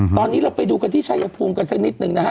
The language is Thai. ตอนนี้เราไปดูกันที่ชายภูมิกันสักนิดหนึ่งนะฮะ